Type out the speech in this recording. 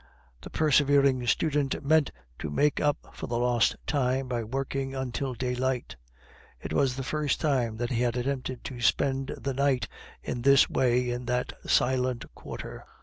The persevering student meant to make up for the lost time by working until daylight. It was the first time that he had attempted to spend the night in this way in that silent quarter.